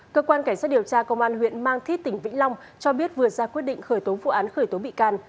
cơ quan cảnh sát điều tra công an huyện mang thít tỉnh vĩnh long cho biết vừa ra quyết định khởi tố vụ án khởi tố bị can